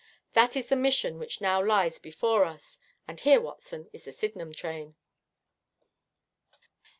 That is the mission which now lies before us, and here, Watson, is the Sydenham train.'